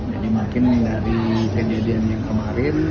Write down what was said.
jadi mungkin dari kejadian yang kemarin